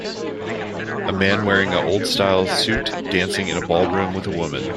A man wearing a old style suit dancing in a ballroom with a woman.